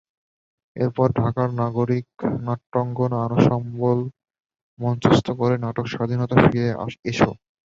এরপর ঢাকার নাগরিক নাট্যাঙ্গন অনসাম্বল মঞ্চস্থ করে নাটক স্বাধীনতা ফিরে এসো।